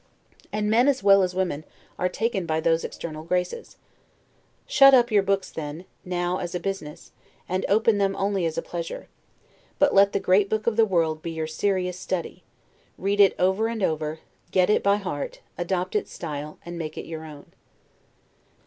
And men, as well as women, are taken by those external graces. Shut up your books, then, now as a business, and open them only as a pleasure; but let the great book of the world be your serious study; read it over and over, get it by heart, adopt its style, and make it your own.